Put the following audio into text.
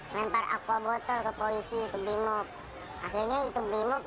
yang deket pertigaan nah saya diem situ